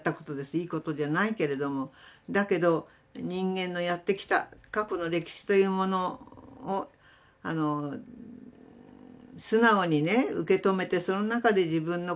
いいことじゃないけれどもだけど人間のやってきた過去の歴史というものを素直にね受け止めてその中で自分の考えというものを決めたいですよね。